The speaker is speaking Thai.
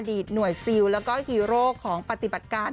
หน่วยซิลแล้วก็ฮีโร่ของปฏิบัติการ